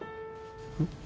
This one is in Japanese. うん？